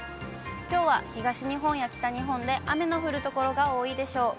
きょうは東日本や北日本で雨の降る所が多いでしょう。